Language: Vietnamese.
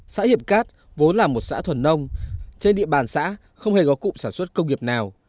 xã hiệp cát vốn là một xã thuần nông trên địa bàn xã không hề có cụm sản xuất công nghiệp nào